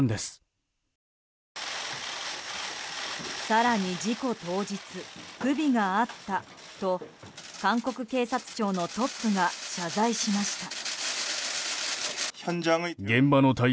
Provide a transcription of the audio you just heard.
更に、事故当日不備があったと韓国警察庁のトップが謝罪しました。